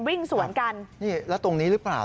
วิ่งสวนกันนี่แล้วตรงนี้หรือเปล่า